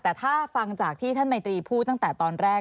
แต่ถ้าฟังจากที่ท่านมัยตรีพูดตั้งแต่ตอนแรก